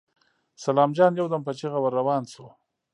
سلام جان يودم په چيغه ور روان شو.